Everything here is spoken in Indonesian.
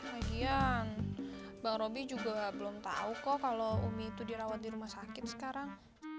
lagian bang roby juga belum tahu kok kalau umi itu dirawat di rumah sakit sekarang